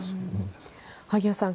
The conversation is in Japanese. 萩谷さん